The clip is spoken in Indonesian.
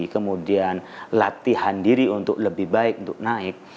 kemudian latihan diri untuk lebih baik untuk naik